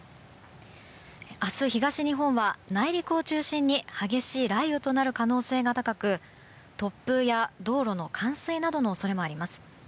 明日、東日本は内陸を中心に激しい雷雨となる可能性が高く、突風や道路の冠水などの恐れもあります。